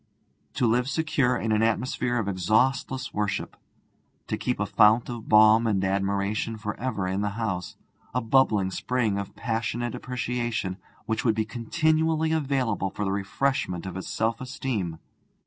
To live secure in an atmosphere of exhaustless worship; to keep a fount of balm and admiration for ever in the house, a bubbling spring of passionate appreciation which would be continually available for the refreshment of his self esteem!